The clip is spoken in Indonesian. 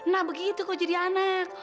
nah begitu kau jadi anak